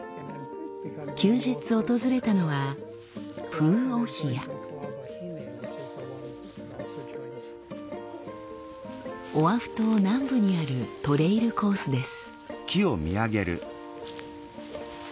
休日訪れたのはオアフ島南部にあるトレイルコースです。